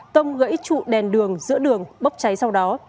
tông gãy trụ đèn đường giữa đường bốc cháy sau đó